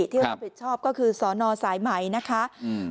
ที่รับผิดชอบก็คือสอนอสายไหมนะคะอืม